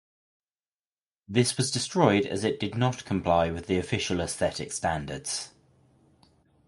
This was destroyed as it did not comply with the official aesthetic standards.